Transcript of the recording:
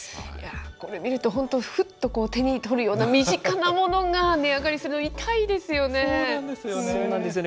これ見ると、本当、ふっと手に取るような身近なものが値上がそうなんですよね。